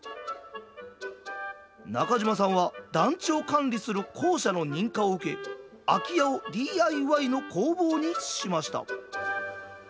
中島さんは団地を管理する公社の認可を受け空き家をＤＩＹの工房にしました。